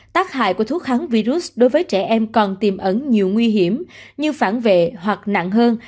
tác hại của thuốc kháng virus đối với trẻ em còn tiềm ẩn nhiều nguy hiểm như phản vệ hoặc nặng hơn